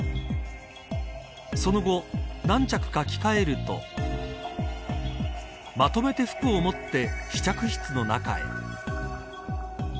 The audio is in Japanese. その後、何着か着替えるとまとめて服を持って試着室の中へ。